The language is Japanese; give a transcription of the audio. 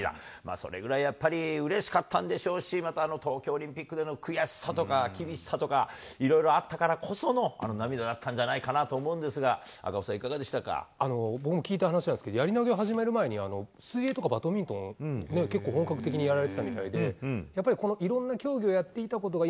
それぐらいやっぱり、うれしかったんでしょうし、また東京オリンピックでの悔しさとか厳しさとか、いろいろあったからこそのあの涙だったんじゃないかなと思うんですが、赤星さん、僕も聞いた話なんですけど、やり投げを始める前に、水泳とかバドミントン、結構本格的にやられてたみたいで、やっぱり、いろんな競技をやっていたことが